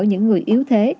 những người yếu thế